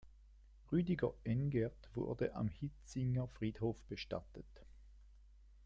Rüdiger Engerth wurde am Hietzinger Friedhof bestattet.